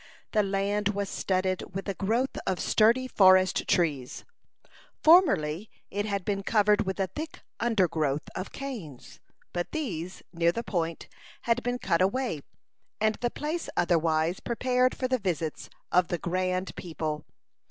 The land was studded with a growth of sturdy forest trees. Formerly it had been covered with a thick undergrowth of canes; but these, near the Point, had been cut away, and the place otherwise prepared for the visits of the grand people.